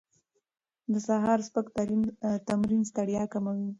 د سهار سپک تمرین ستړیا کموي.